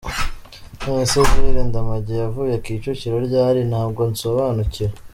None se Jules Ndamage yavuye Kicukiro ryari? Ntabwo nsobanukiwe!.